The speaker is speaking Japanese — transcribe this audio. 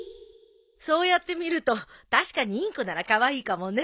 そうやって見ると確かにインコならカワイイかもね。